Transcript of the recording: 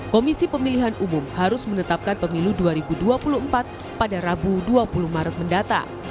komisi pemilihan umum harus menetapkan pemilu dua ribu dua puluh empat pada rabu dua puluh maret mendatang